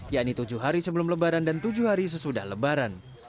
yakni tujuh hari sebelum lebaran dan tujuh hari sesudah lebaran